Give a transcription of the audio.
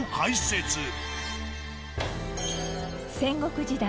戦国時代